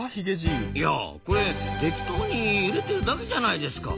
いやこれ適当に揺れてるだけじゃないですか。